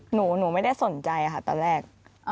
หนูไม่ได้สนใจค่ะตอนแรก